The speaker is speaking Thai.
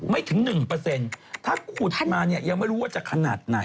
ไม่ถึง๑ถ้าขุดมาเนี่ยยังไม่รู้ว่าจะขนาดไหน